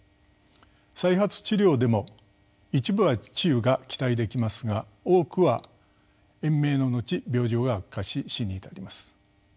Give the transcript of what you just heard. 再発治療でも一部は治癒が期待できますが多くは延命の後病状が悪化し死に至ります。